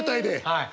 はい。